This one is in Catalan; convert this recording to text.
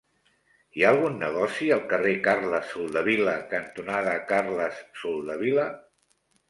Hi ha algun negoci al carrer Carles Soldevila cantonada Carles Soldevila?